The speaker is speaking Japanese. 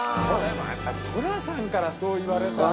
やっぱり寅さんからそう言われたら。